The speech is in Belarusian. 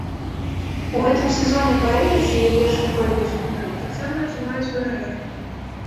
У гэтым сезоне паэты, чые вершы пройдуць у фінал, таксама атрымаюць ганарар.